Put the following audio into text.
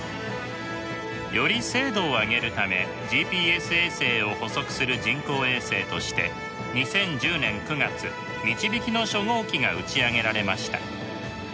より精度を上げるためＧＰＳ衛星を補足する人工衛星として２０１０年９月みちびきの初号機が打ち上げられました。